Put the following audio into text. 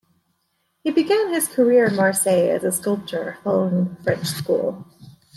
He began his career in Marseille as a sculptor following the French school.